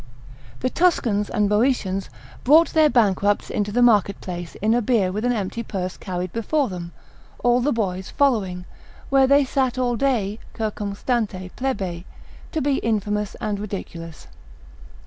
The Tuscans and Boetians brought their bankrupts into the marketplace in a bier with an empty purse carried before them, all the boys following, where they sat all day circumstante plebe, to be infamous and ridiculous.